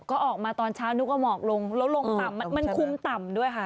ออกมาตอนเช้านุกก็หมอกลงลงมันคุมต่ำด้วยค่ะ